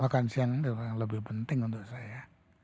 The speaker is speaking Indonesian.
makan siang ini yang lebih penting untuk saya